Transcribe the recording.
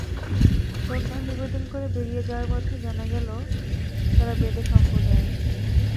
শ্রদ্ধা নিবেদন করে বেরিয়ে যাওয়ার পথে জানা গেল, তাঁরা বেদে সম্প্রদায়ের।